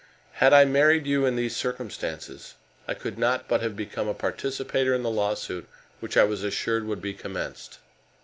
Had I married you in these circumstances, I could not but have become a participator in the lawsuit which I was assured would be commenced.